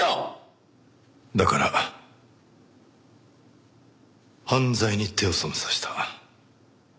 だから犯罪に手を染めさせた。